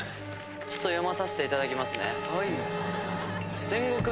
ちょっと読まさせていただきますね。